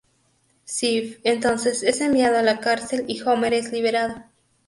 Ziff, entonces, es enviado a la cárcel, y Homer es liberado.